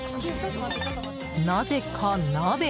なぜか鍋。